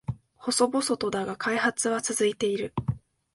細々とだが開発は続いている